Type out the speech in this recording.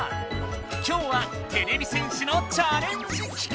今日はてれび戦士のチャレンジ企画！